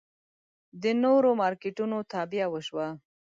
د نورو مارکېټونو تابیا وشوه.